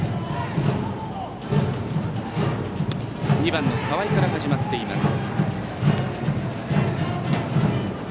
２番の河合から始まっています。